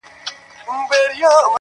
ستا څخه چي ياره روانـــــــــــېــږمه.